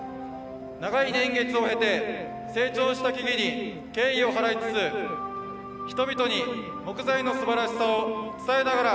長い年月を経て成長した木々に敬意を払いつつ人々に木材の素晴らしさを伝えながら。